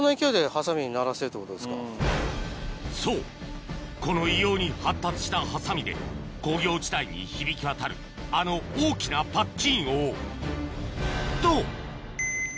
そうこの異様に発達したハサミで工業地帯に響き渡るあの大きなパッチンをと！